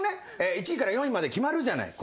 １位から４位まで決まるじゃない。